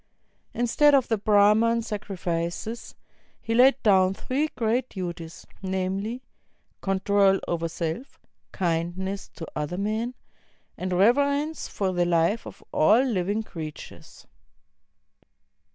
Instead of the Brahman sacrifices, he laid down three great duties, namely, control over self, kindness to other men, and reverence for the life of all Uving creatures.